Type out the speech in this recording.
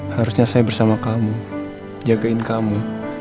harusnya saya bersama kamu jagain kamu